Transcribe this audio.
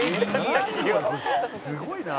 「すごいなあ」